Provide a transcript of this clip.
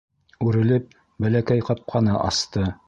Үрелеп, бәләкәй ҡапҡаны асты.